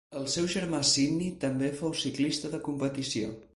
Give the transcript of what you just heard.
El seu germà Sydney també fou ciclista de competició.